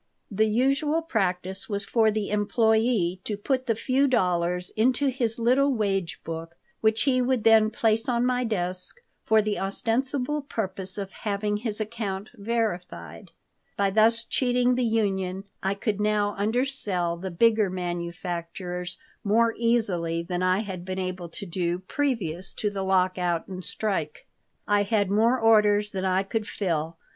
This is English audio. The usual practice was for the employee to put the few dollars into his little wage book, which he would then place on my desk for the ostensible purpose of having his account verified By thus cheating the union I could now undersell the bigger manufacturers more easily than I had been able to do previous to the lockout and strike. I had more orders than I could fill.